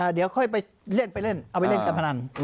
เดี๋ยวค่อยไปเล่นไปเล่นเอาไปเล่นการพนัน